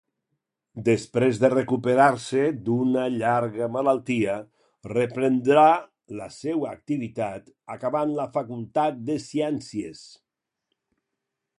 Després de recuperar-se d'una llarga malaltia, reprendrà la seua activitat, acabant la Facultat de Ciències.